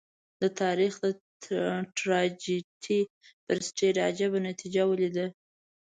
د تاریخ د ټراجېډي پر سټېج عجيبه صحنه ولیده.